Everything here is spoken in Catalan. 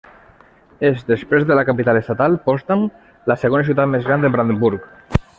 És, després de la capital estatal, Potsdam, la segona ciutat més gran de Brandenburg.